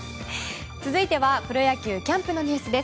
続いてはプロ野球キャンプのニュースです。